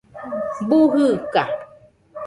Bu jɨɨka